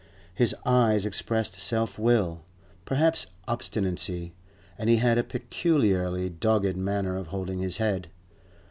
His eyes expressed self will, perhaps obstinacy, and he had a peculiarly dogged manner of holding his head.